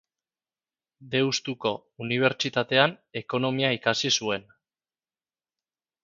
Deustuko Unibertsitatean ekonomia ikasi zuen.